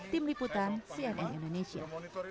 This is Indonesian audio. tim liputan cnn indonesia